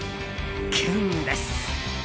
キュンです！